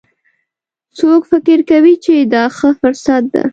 څوک فکر کوي چې دا ښه فرصت ده